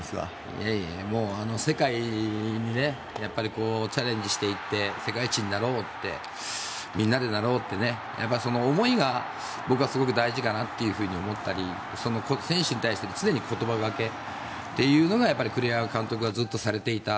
いやいや世界にチャレンジしていって世界一になろうってみんなでなろうってその思いが僕はすごく大事かなと思ったり選手に対して常に言葉がけというのがやっぱり栗山監督はずっとされていた。